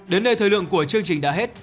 đến đây thời lượng của chương trình đã hết